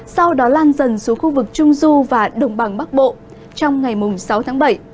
sau đó lan dần xuống khu vực trung du và đồng bằng bắc bộ trong ngày sáu tháng bảy